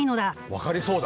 分かりそうだ。